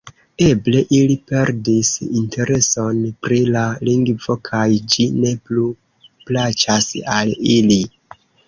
Eble ili perdis intereson pri la lingvo kaj ĝi ne plu plaĉas al ili.